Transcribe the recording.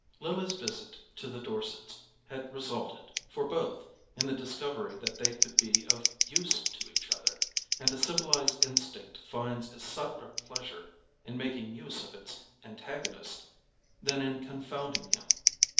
Lily's visit to the Dorsets had resulted, for both, in the discovery that they could be of use to each other; and the civilized instinct finds a subtler pleasure in making use of its antagonist than in confounding him.